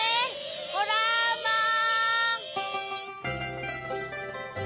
ホラーマン！